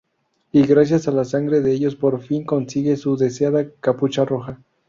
Y gracias a la sangre de ellos por fin consigue su deseada capucha roja.